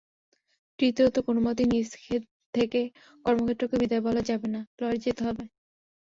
তৃতীয়ত, কোনোমতেই নিজে থেকে কর্মক্ষেত্রকে বিদায় বলা যাবে না, লড়ে যেতে হবে।